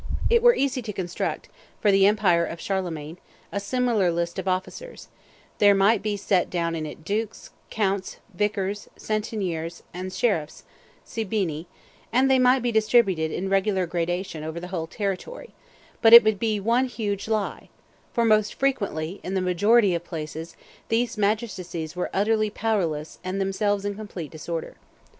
It were easy to construct, for the empire of Charlemagne, a similar list of officers; there might be set down in it dukes, counts, vicars, centeniers, and sheriffs (seabini), and they might be distributed, in regular gradation, over the whole territory; but it would be one huge lie; for most frequently, in the majority of places, these magistracies were utterly powerless and themselves in complete disorder.